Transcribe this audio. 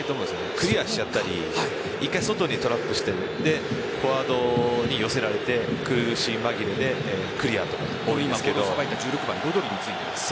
クリアしちゃったり１回外にトラップしてフォワードに寄せられて苦し紛れでクリアとか多いんですけど。